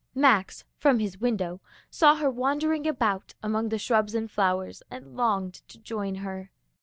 Max, from his window, saw her wandering about among the shrubs and flowers and longed to join her.